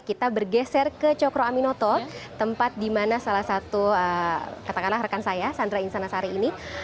kita bergeser ke cokro aminoto tempat di mana salah satu katakanlah rekan saya sandra insanasari ini